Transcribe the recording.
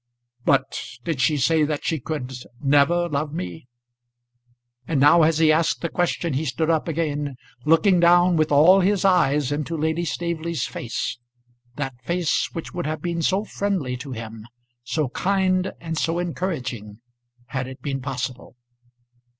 "But did she say that she could never love me?" And now as he asked the question he stood up again, looking down with all his eyes into Lady Staveley's face, that face which would have been so friendly to him, so kind and so encouraging, had it been possible.